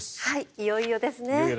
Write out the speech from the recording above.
いよいよですね。